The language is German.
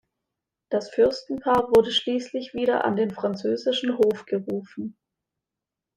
Das Fürstenpaar wurde schließlich wieder an den französischen Hof gerufen.